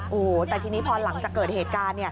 โอ้โหแต่ทีนี้พอหลังจากเกิดเหตุการณ์